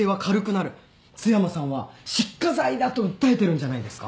津山さんは失火罪だと訴えてるんじゃないですか？